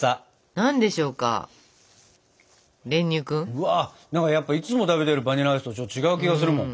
うわやっぱいつも食べてるバニラアイスとちょっと違う気がするもん。